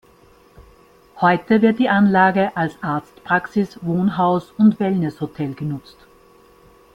Heute wird die Anlage als Arztpraxis, Wohnhaus und Wellness-Hotel genutzt.